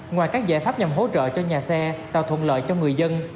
ngoài các giải pháp nhằm hỗ trợ cho nhà xe tạo thuận lợi cho người dân